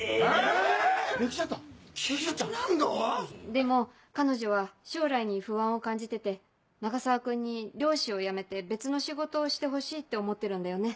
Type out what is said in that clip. でも彼女は将来に不安を感じてて永沢君に漁師を辞めて別の仕事をしてほしいって思ってるんだよね。